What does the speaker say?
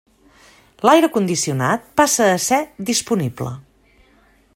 L'aire condicionat passa a ser disponible.